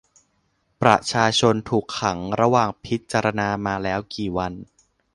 ประชาชนถูกขังระหว่างพิจารณามาแล้วกี่วัน ?